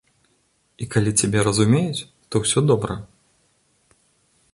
І калі цябе разумеюць, то ўсё добра.